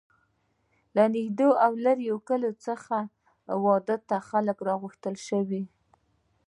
له نږدې او لرې کلیو څخه خلک واده ته را وغوښتل شول.